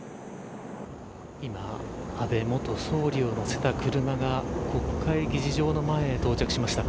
今、安倍元総理を乗せた車が国会議事堂の前へ到着しました。